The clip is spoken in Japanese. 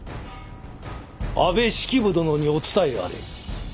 安部式部殿にお伝えあれ。